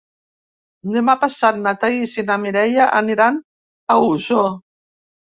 Demà passat na Thaís i na Mireia aniran a Osor.